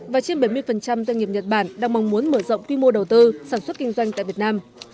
và trên bảy mươi doanh nghiệp nhật bản đang mong muốn mở rộng quy mô đầu tư sản xuất kinh doanh tại việt nam